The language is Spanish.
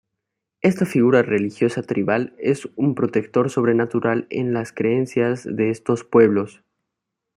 Esta figura religiosa tribal es un protector sobrenatural en las creencias de estos pueblos.